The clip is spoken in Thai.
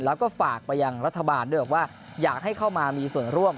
แล้วก็ฝากไปยังรัฐบาลด้วยบอกว่าอยากให้เข้ามามีส่วนร่วม